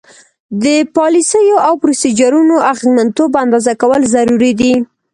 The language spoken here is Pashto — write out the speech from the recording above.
د پالیسیو او پروسیجرونو اغیزمنتوب اندازه کول ضروري دي.